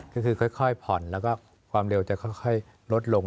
ก็คือค่อยผ่อนแล้วก็ความเร็วจะค่อยลดลง